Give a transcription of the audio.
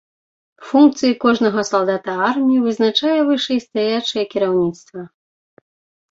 Функцыі кожнага салдата арміі вызначае вышэйстаячае кіраўніцтва.